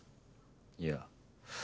いや。